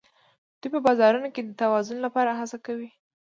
دوی په بازارونو کې د توازن لپاره هڅه کوي